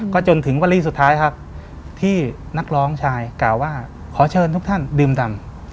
ก็จนถึงวันนี้สุดท้ายครับที่นักร้องชายกล่าวว่าขอเชิญทุกท่านดื่มดำ